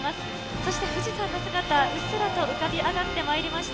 そして富士山の姿、うっすらと浮かび上がってまいりました。